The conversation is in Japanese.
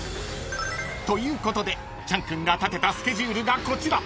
［ということでチャン君が立てたスケジュールがこちら］